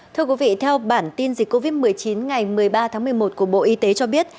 thưa quý vị theo bản tin dịch covid một mươi chín ngày một mươi ba tháng một mươi một của bộ y tế cho biết